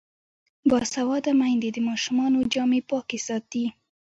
باسواده میندې د ماشومانو جامې پاکې ساتي.